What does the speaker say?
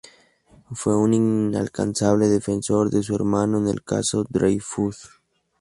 Fue un incansable defensor de su hermano en el "Caso Dreyfus".